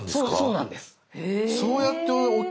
そうなんです